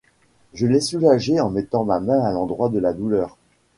Je l’ai soulagé en mettant ma main à l’endroit de la douleur.